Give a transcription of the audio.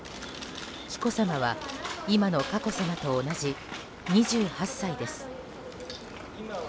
紀子さまは今の佳子さまと同じ２８歳です。